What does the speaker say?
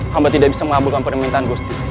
hamba tidak bisa mengabulkan permintaan gusti